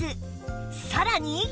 さらに